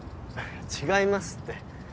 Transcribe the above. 違いますって。